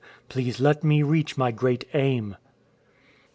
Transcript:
Please let me reach my great aim."''